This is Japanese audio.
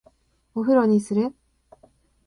お風呂にする？